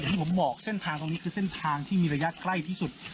ที่ผมบอกเส้นทางตรงนี้คือเส้นทางที่มีระยะใกล้ที่สุด